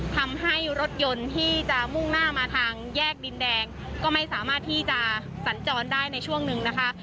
ทำให้รถยนต์ที่จะมุ่งหน้ามาทางแยกดินแดงก็ไม่สามารถที่จะสัญจรได้ในช่วงหนึ่งนะคะ